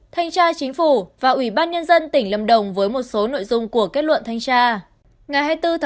thanh tra chính phủ và ủy ban nhân dân tỉnh lâm đồng với một số nội dung của kết luận thanh tra